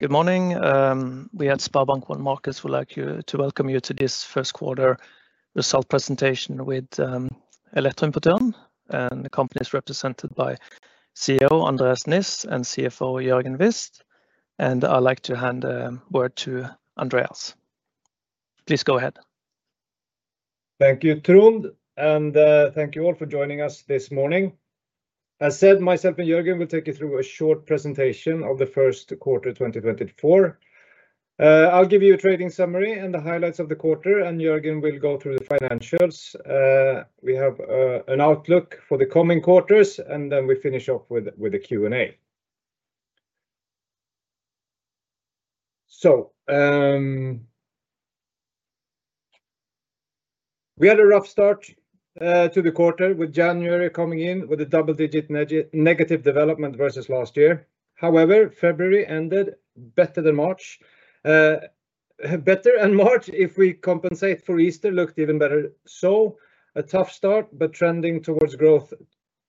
Good morning. We at SpareBank 1 Markets would like to welcome you to this first quarter result presentation with Elektroimportøren, the company represented by CEO Andreas Niss and CFO Jørgen Wist, and I'd like to hand the word to Andreas. Please go ahead. Thank you, Trond, and thank you all for joining us this morning. As said, myself and Jørgen will take you through a short presentation of the first quarter 2024. I'll give you a trading summary and the highlights of the quarter, and Jørgen will go through the financials. We have an outlook for the coming quarters, and then we finish off with a Q&A. So, we had a rough start to the quarter with January coming in with a double-digit negative development versus last year. However, February ended better than March, better than March if we compensate for Easter, looked even better. So, a tough start but trending towards growth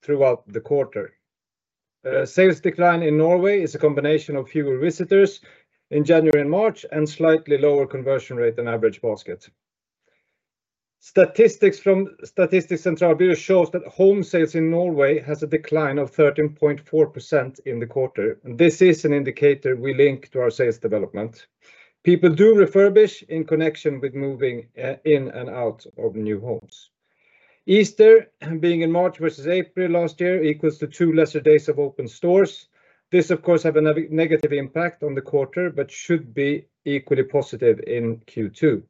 throughout the quarter. Sales decline in Norway is a combination of fewer visitors in January and March and slightly lower conversion rate than average basket. Statistics from Statistisk sentralbyrå shows that home sales in Norway has a decline of 13.4% in the quarter, and this is an indicator we link to our sales development. People do refurbish in connection with moving, in and out of new homes. Easter, being in March versus April last year, equals to two lesser days of open stores. This, of course, has a negative impact on the quarter but should be equally positive in Q2.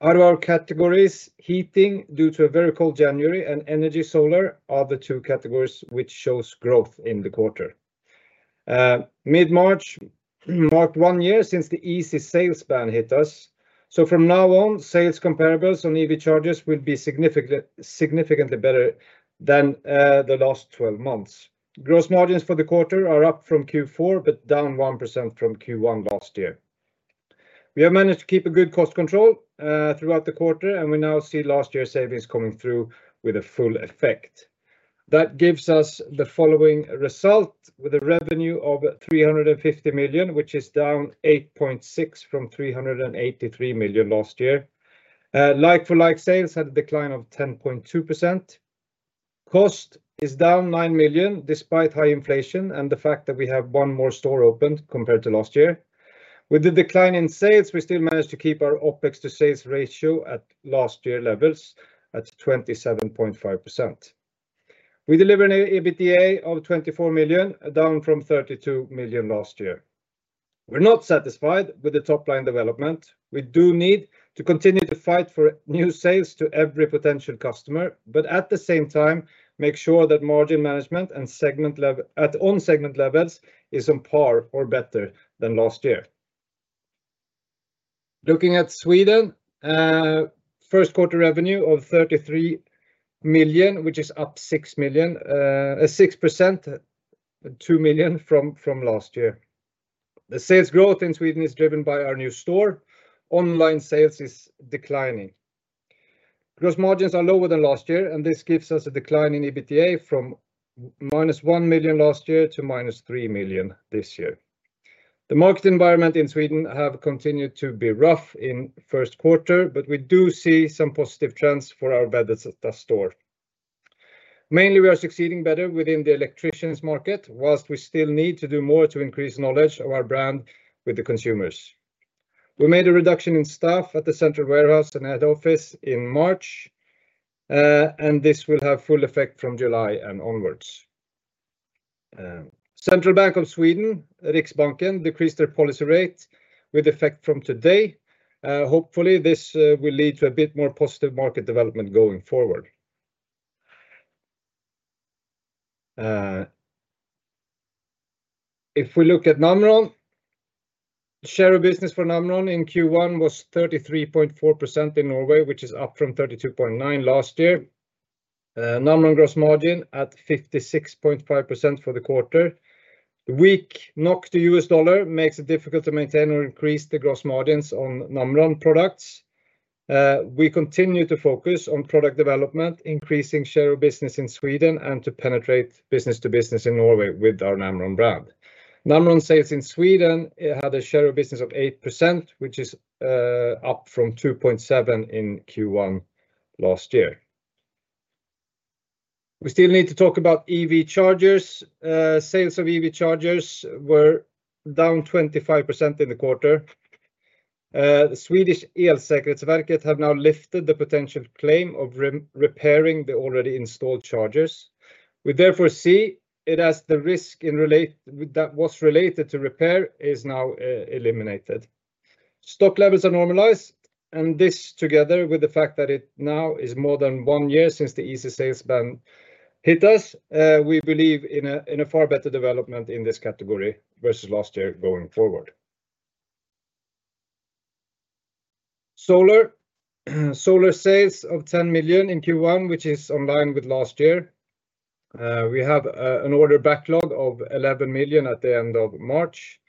Out of our categories, heating due to a very cold January and Solar are the two categories which show growth in the quarter. Mid-March marked one year since the Easee sales ban hit us, so from now on, sales comparables on EV chargers will be significantly better than the last 12 months. Gross margins for the quarter are up from Q4 but down 1% from Q1 last year. We have managed to keep a good cost control, throughout the quarter, and we now see last year's savings coming through with a full effect. That gives us the following result with a revenue of 350 million, which is down 8.6% from 383 million last year. Like-for-like sales had a decline of 10.2%. Cost is down 9 million despite high inflation and the fact that we have one more store opened compared to last year. With the decline in sales, we still managed to keep our OPEX-to-sales ratio at last year levels at 27.5%. We deliver an EBITDA of 24 million, down from 32 million last year. We're not satisfied with the top-line development. We do need to continue to fight for new sales to every potential customer, but at the same time, make sure that margin management and segment level at on-segment levels is on par or better than last year. Looking at Sweden, first quarter revenue of 33 million, which is up 6 million, 6%, 2 million from last year. The sales growth in Sweden is driven by our new store. Online sales is declining. Gross margins are lower than last year, and this gives us a decline in EBITDA from -1 million last year to -3 million this year. The market environment in Sweden has continued to be rough in first quarter, but we do see some positive trends for our better store. Mainly, we are succeeding better within the electricians' market whilst we still need to do more to increase knowledge of our brand with the consumers. We made a reduction in staff at the central warehouse and head office in March, and this will have full effect from July and onwards. Central Bank of Sweden, Riksbanken, decreased their policy rate with effect from today. Hopefully, this will lead to a bit more positive market development going forward. If we look at Namron, share of business for Namron in Q1 was 33.4% in Norway, which is up from 32.9% last year. Namron gross margin at 56.5% for the quarter. Weak NOK to US dollar makes it difficult to maintain or increase the gross margins on Namron products. We continue to focus on product development, increasing share of business in Sweden, and to penetrate business to business in Norway with our Namron brand. Namron sales in Sweden had a share of business of 8%, which is up from 2.7% in Q1 last year. We still need to talk about EV chargers. Sales of EV chargers were down 25% in the quarter. The Swedish Elsäkerhetsverket have now lifted the potential claim of repairing the already installed chargers. We therefore see it as the risk in relation that was related to repair is now eliminated. Stock levels are normalized, and this together with the fact that it now is more than one year since the Easee sales ban hit us, we believe in a far better development in this category versus last year going forward. Solar sales of 10 million in Q1, which is in line with last year. We have an order backlog of 11 million at the end of March.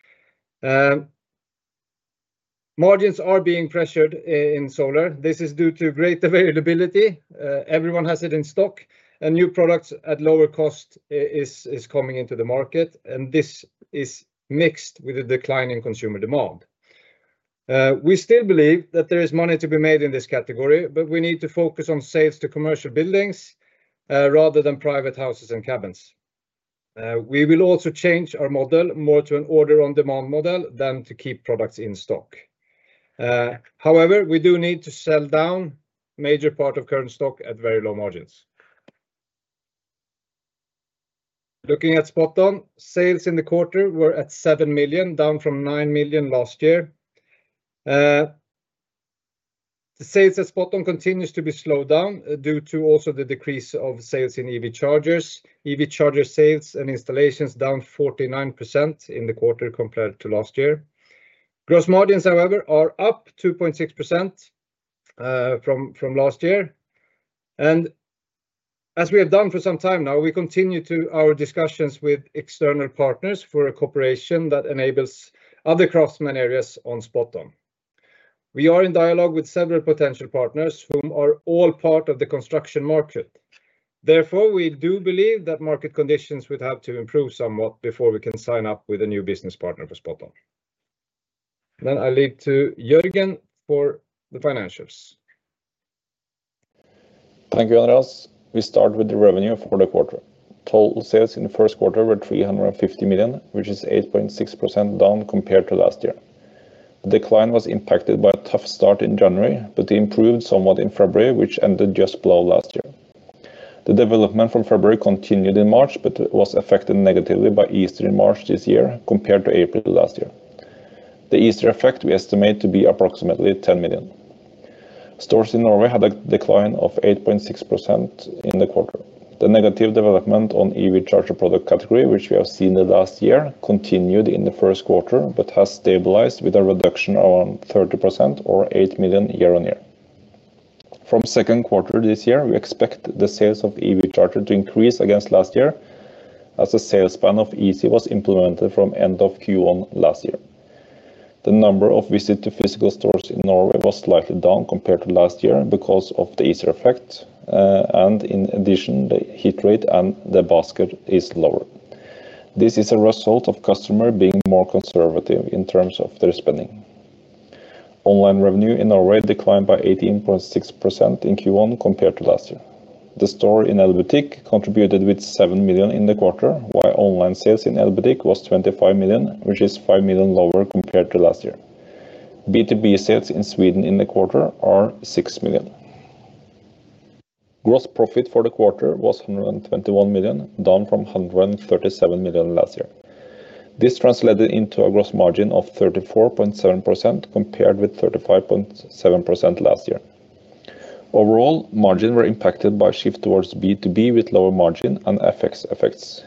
Margins are being pressured in solar. This is due to greater availability. Everyone has it in stock, and new products at lower cost are coming into the market, and this is mixed with a decline in consumer demand. We still believe that there is money to be made in this category, but we need to focus on sales to commercial buildings, rather than private houses and cabins. We will also change our model more to an order-on-demand model than to keep products in stock. However, we do need to sell down a major part of current stock at very low margins. Looking at SpotOn, sales in the quarter were at 7 million, down from 9 million last year. The sales at SpotOn continues to be slowed down due to also the decrease of sales in EV chargers. EV charger sales and installations down 49% in the quarter compared to last year. Gross margins, however, are up 2.6% from last year. And as we have done for some time now, we continue to our discussions with external partners for a cooperation that enables other craftsman areas on SpotOn. We are in dialogue with several potential partners whom are all part of the construction market. Therefore, we do believe that market conditions would have to improve somewhat before we can sign up with a new business partner for SpotOn. Then I lead to Jørgen for the financials. Thank you, Andreas. We start with the revenue for the quarter. Total sales in the first quarter were 350 million, which is 8.6% down compared to last year. The decline was impacted by a tough start in January but improved somewhat in February, which ended just below last year. The development from February continued in March but was affected negatively by Easter in March this year compared to April last year. The Easter effect we estimate to be approximately 10 million. Stores in Norway had a decline of 8.6% in the quarter. The negative development on EV charger product category, which we have seen the last year, continued in the first quarter but has stabilized with a reduction around 30% or 8 million year-on-year. From second quarter this year, we expect the sales of EV charger to increase against last year as the sales ban of Easee was implemented from end of Q1 last year. The number of visits to physical stores in Norway was slightly down compared to last year because of the Easter effect, and in addition, the hit rate and the basket is lower. This is a result of customers being more conservative in terms of their spending. Online revenue in Norway declined by 18.6% in Q1 compared to last year. The store in Elbutik contributed with 7 million in the quarter, while online sales in Elbutik was 25 million, which is 5 million lower compared to last year. B2B sales in Sweden in the quarter are 6 million. Gross profit for the quarter was 121 million, down from 137 million last year. This translated into a gross margin of 34.7% compared with 35.7% last year. Overall, margins were impacted by a shift toward B2B with lower margin and FX effects.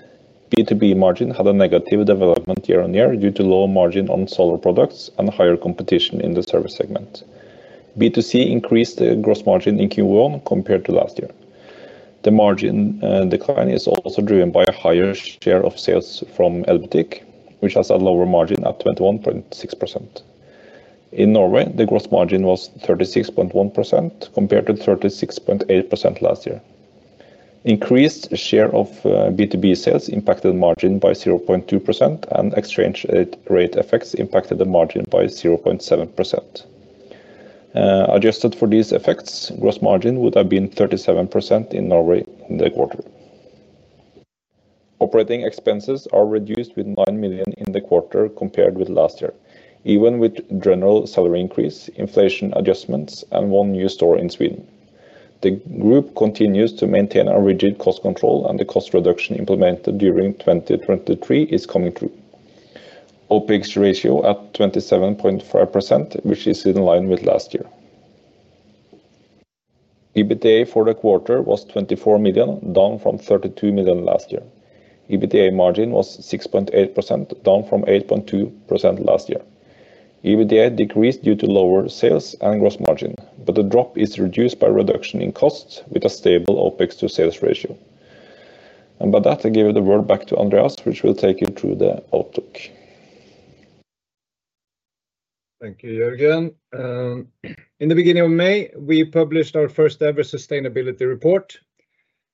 B2B margin had a negative development year-on-year due to lower margin on solar products and higher competition in the service segment. B2C increased the gross margin in Q1 compared to last year. The margin decline is also driven by a higher share of sales from Elbutik, which has a lower margin at 21.6%. In Norway, the gross margin was 36.1% compared to 36.8% last year. Increased share of B2B sales impacted margin by 0.2%, and exchange rate effects impacted the margin by 0.7%. Adjusted for these effects, gross margin would have been 37% in Norway in the quarter. Operating expenses are reduced with 9 million in the quarter compared with last year, even with general salary increase, inflation adjustments, and one new store in Sweden. The group continues to maintain a rigid cost control, and the cost reduction implemented during 2023 is coming through. OPEX ratio at 27.5%, which is in line with last year. EBITDA for the quarter was 24 million, down from 32 million last year. EBITDA margin was 6.8%, down from 8.2% last year. EBITDA decreased due to lower sales and gross margin, but the drop is reduced by reduction in costs with a stable OPEX-to-sales ratio. By that, I give the word back to Andreas, which will take you through the outlook. Thank you, Jørgen. In the beginning of May, we published our first-ever sustainability report.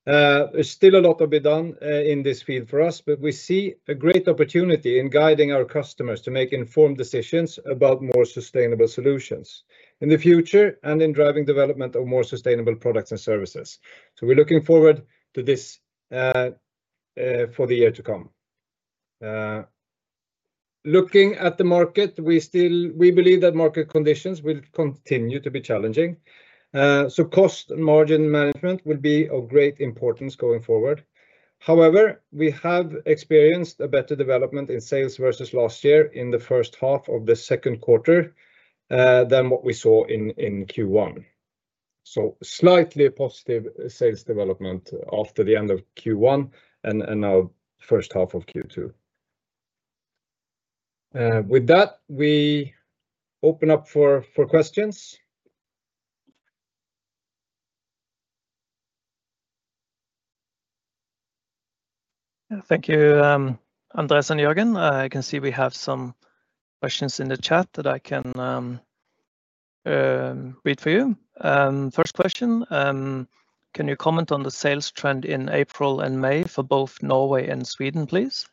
There's still a lot to be done, in this field for us, but we see a great opportunity in guiding our customers to make informed decisions about more sustainable solutions in the future and in driving development of more sustainable products and services. So we're looking forward to this, for the year to come. Looking at the market, we still believe that market conditions will continue to be challenging. So cost and margin management will be of great importance going forward. However, we have experienced a better development in sales versus last year in the first half of the second quarter, than what we saw in Q1. So slightly positive sales development after the end of Q1 and now first half of Q2. With that, we open up for questions. Yeah, thank you, Andreas and Jørgen. I can see we have some questions in the chat that I can read for you. First question, can you comment on the sales trend in April and May for both Norway and Sweden, please?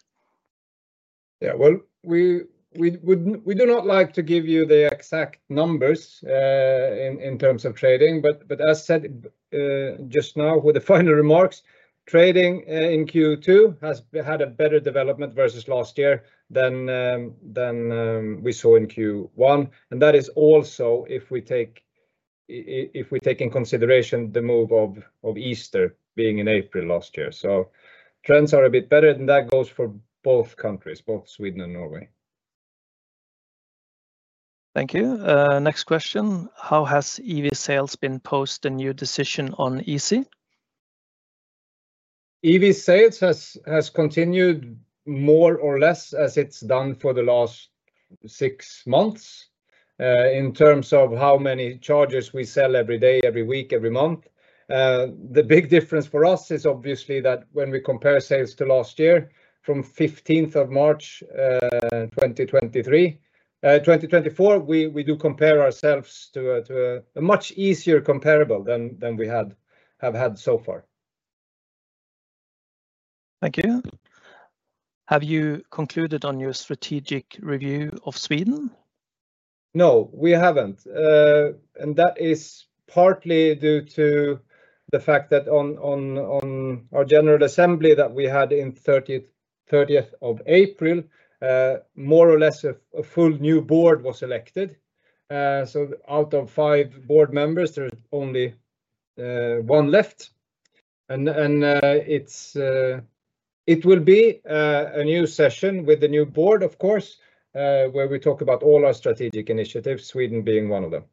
Yeah, well, we do not like to give you the exact numbers, in terms of trading, but as said, just now with the final remarks, trading in Q2 has had a better development versus last year than we saw in Q1. And that is also if we take into consideration the move of Easter being in April last year. So trends are a bit better, and that goes for both countries, both Sweden and Norway. Thank you. Next question, how has EV sales been post the new decision on Easee? EV sales has continued more or less as it's done for the last six months, in terms of how many chargers we sell every day, every week, every month. The big difference for us is obviously that when we compare sales to last year from 15th of March, 2023, 2024, we do compare ourselves to a much easier comparable than we have had so far. Thank you. Have you concluded on your strategic review of Sweden? No, we haven't. And that is partly due to the fact that on our general assembly that we had in 30th of April, more or less a full new board was elected. So out of five board members, there's only one left. And it will be a new session with the new board, of course, where we talk about all our strategic initiatives, Sweden being one of them.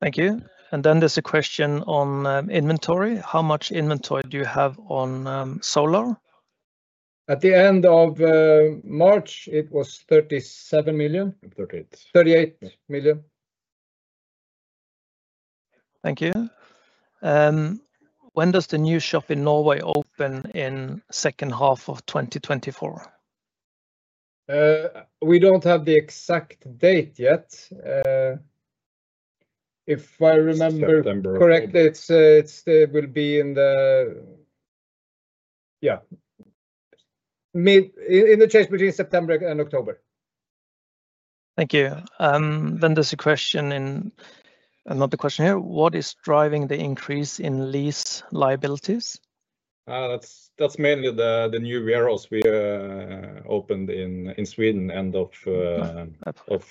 Thank you. And then there's a question on inventory. How much inventory do you have on solar? At the end of March, it was 37 million. 38. 38 million. Thank you. When does the new shop in Norway open in second half of 2024? We don't have the exact date yet. If I remember correctly, it will be in the mid in the change between September and October. Thank you. Then there's a question, and not the question here. What is driving the increase in lease liabilities? That's mainly the new warehouse we opened in Sweden end of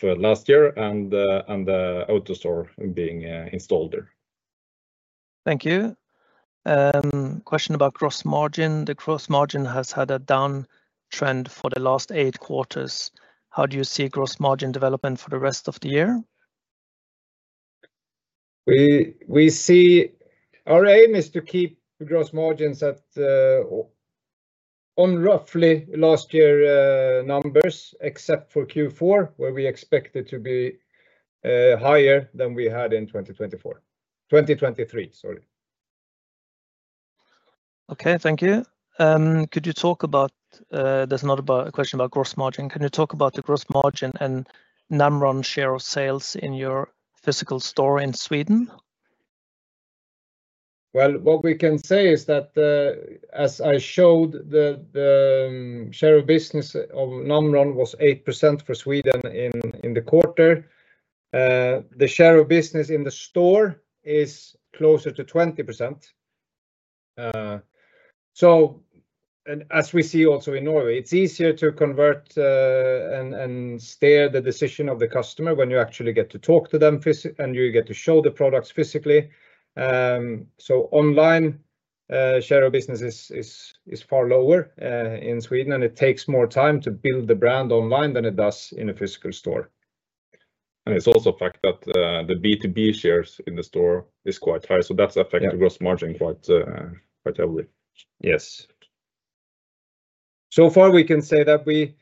last year and the AutoStore being installed there. Thank you. Question about gross margin. The gross margin has had a down trend for the last eight quarters. How do you see gross margin development for the rest of the year? We see our aim is to keep gross margins at, on roughly last year numbers except for Q4 where we expected to be higher than we had in 2024 2023, sorry. Okay, thank you. Could you talk about, there's another question about gross margin. Can you talk about the gross margin and Namron share of sales in your physical store in Sweden? Well, what we can say is that, as I showed, the share of business of Namron was 8% for Sweden in the quarter. The share of business in the store is closer to 20%. So, as we see also in Norway, it's easier to convert and steer the decision of the customer when you actually get to talk to them physically and you get to show the products physically. So online, share of business is far lower in Sweden, and it takes more time to build the brand online than it does in a physical store. It's also a fact that the B2B shares in the store is quite high, so that's affected gross margin quite, quite heavily. Yes. So far we can say that we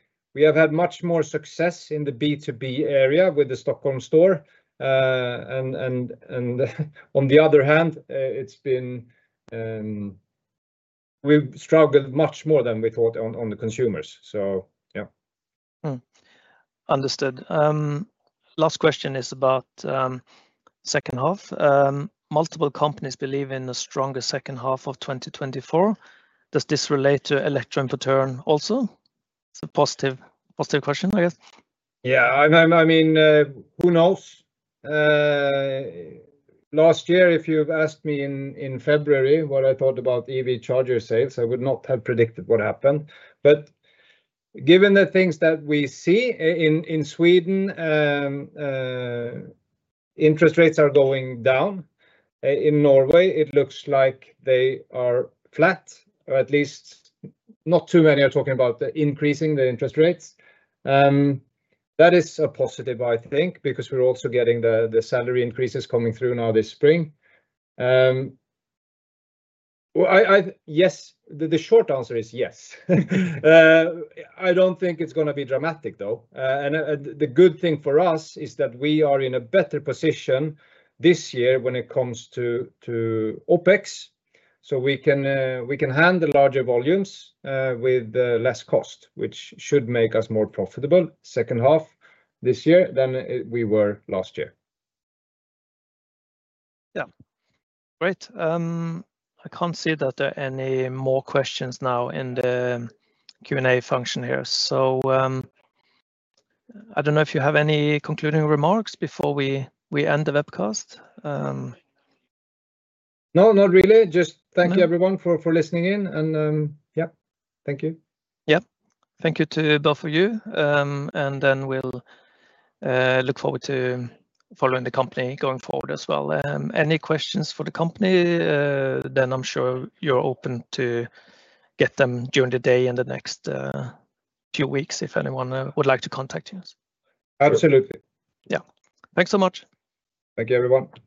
have had much more success in the B2B area with the Stockholm store. And on the other hand, we've struggled much more than we thought on the consumers. So yeah. Understood. Last question is about second half. Multiple companies believe in the stronger second half of 2024. Does this relate to Elektroimportøren also? It's a positive, positive question, I guess. Yeah, I mean, who knows? Last year, if you've asked me in, in February what I thought about EV charger sales, I would not have predicted what happened. But given the things that we see in, in Sweden, interest rates are going down. In Norway, it looks like they are flat, or at least not too many are talking about the increasing the interest rates. That is a positive, I think, because we're also getting the, the salary increases coming through now this spring. Well, I, I yes, the, the short answer is yes. I don't think it's going to be dramatic, though. The good thing for us is that we are in a better position this year when it comes to, to OPEX, so we can, we can handle larger volumes, with less cost, which should make us more profitable second half this year than we were last year. Yeah, great. I can't see that there are any more questions now in the Q&A function here, so, I don't know if you have any concluding remarks before we, we end the webcast. No, not really. Just thank you, everyone, for listening in, and yeah, thank you. Yeah, thank you to both of you. And then we'll look forward to following the company going forward as well. Any questions for the company, then I'm sure you're open to get them during the day in the next few weeks if anyone would like to contact you. Absolutely. Yeah, thanks so much. Thank you, everyone. Bye.